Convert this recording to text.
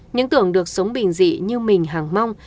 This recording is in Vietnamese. những tưởng được sống bình dị như mình hàng mong